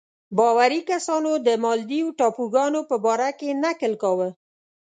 باوري کسانو د مالدیو ټاپوګانو په باره کې نکل کاوه.